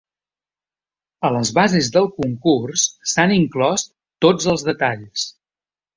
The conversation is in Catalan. A les bases del concurs s'han inclòs tots els detalls.